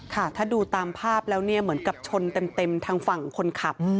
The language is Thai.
ค่ะถ้าดูตามภาพแล้วเนี่ยเหมือนกับชนเต็มทางฝั่งคนขับ